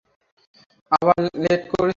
আবার লেট করেছ।